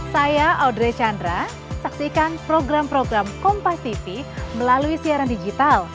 saya audrey chandra saksikan program program kompasiv melalui siaran digital